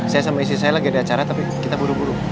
saya sama istri saya lagi ada acara tapi kita buru buru